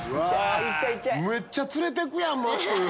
めっちゃ連れてくやんまっすー！